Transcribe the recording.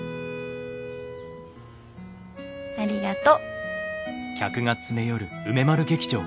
ありがと。